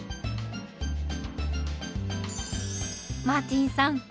マーティンさん